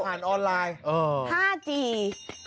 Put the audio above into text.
เป็นบริการผ่านออนไลน์